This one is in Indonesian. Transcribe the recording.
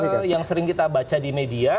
saya kira yang sering kita baca di media